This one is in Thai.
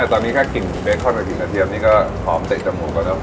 แต่ตอนนี้แค่กลิ่นเบคอนกับกลิ่นกระเทียมนี่ก็หอมเตะจมูกแล้วเนอะ